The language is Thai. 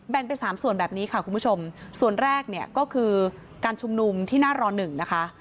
ไปสามส่วนแบบนี้ค่ะคุณผู้ชมส่วนแรกเนี่ยก็คือการชุมนุมที่หน้าร๑นะคะ